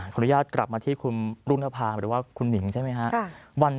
ขออนุญาตกลับมาที่คุณรุณภาหรือว่าคุณหนิงใช่ไหมครับ